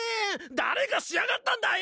誰がしやがったんだよ！